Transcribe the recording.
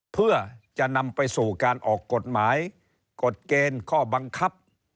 เพื่อจะนำไปสู่การออกกฎหมายกฎเกณฑ์ข้อบังคับ